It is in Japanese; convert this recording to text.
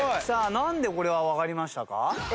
なんでこれはわかりましたか？